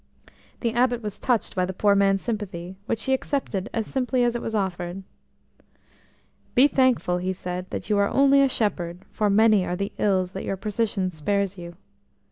The Abbot was touched by the poor man's sympathy, which he accepted as simply as it was offered. E thankful," he said, "that you are only a shepherd, for many are the ills that your position spares you."